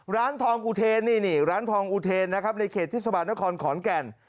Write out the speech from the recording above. ร้านทองอุเทรนี่ร้านทองอุเทรนนะครับในเขตที่สมบัตินครขอนแก่น